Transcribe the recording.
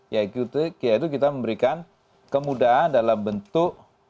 yaitu kita memberikan kemudahan dalam bentuk